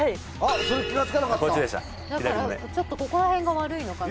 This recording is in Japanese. だからちょっとここら辺が悪いのかな。